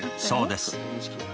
そうです。